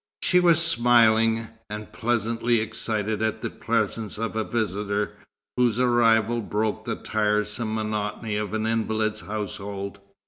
She was smiling, and pleasantly excited at the presence of a visitor whose arrival broke the tiresome monotony of an invalid's household.